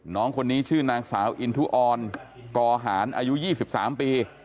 น้องคนนี้ชื่อนางสาวอินทุออนกอหารอายุ๒๓ปี